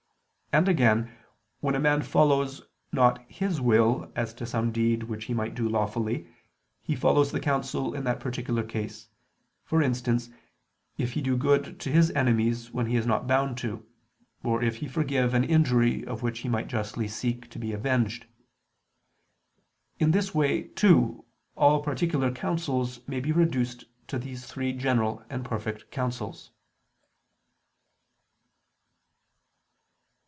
And again, when a man follows not his will as to some deed which he might do lawfully, he follows the counsel in that particular case: for instance, if he do good to his enemies when he is not bound to, or if he forgive an injury of which he might justly seek to be avenged. In this way, too, all particular counsels may be reduced to these three general and perfect counsels.